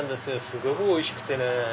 すごくおいしくてね。